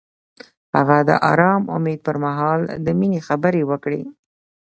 هغه د آرام امید پر مهال د مینې خبرې وکړې.